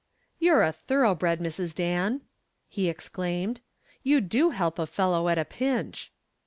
"You are a thoroughbred, Mrs. Dan," he exclaimed. "You do help a fellow at a pinch."